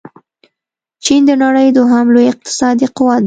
چين د نړۍ دوهم لوی اقتصادي قوت دې.